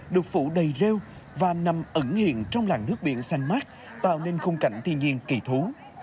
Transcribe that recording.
được phủ đầy rêu và nằm ẩn hiện trong làng nước biển xanh mát tạo nên khung cảnh thiên nhiên kỳ thú